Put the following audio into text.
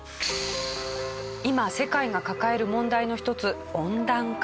今世界が抱える問題の一つ温暖化。